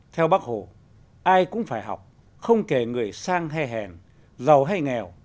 theo bác hồ ai cũng phải học không kể người sang hay hèn giàu hay nghèo